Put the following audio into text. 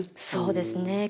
そうですね。